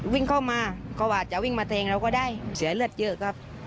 วิ่งเข้ามาเขาอาจจะวิ่งมาแทงเราก็ได้เสียเลือดเยอะครับ